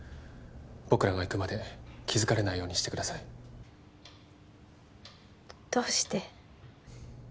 僕らが行くまで気付かれないようにしてくださいどうして？